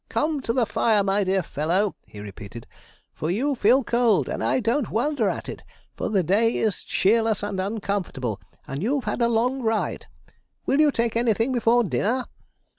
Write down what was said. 'Come to the fire, my dear fellow,' he repeated, 'for you feel cold; and I don't wonder at it, for the day is cheerless and uncomfortable, and you've had a long ride. Will you take anything before dinner?'